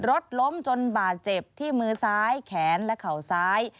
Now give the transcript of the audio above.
รถล้มจนบาดเจ็บที่มือซ้ายแขนและเข่าซ้าย